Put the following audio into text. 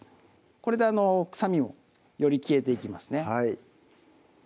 これで臭みもより消えていきますね